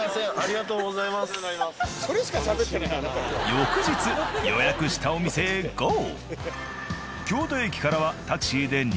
翌日予約したお店へゴー。